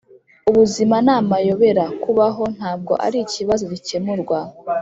ubuzima ni amayobera kubaho, ntabwo ari ikibazo gikemurwa.